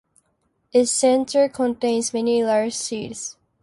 Its center contains many large seeds.